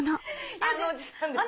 あのおじさんですね。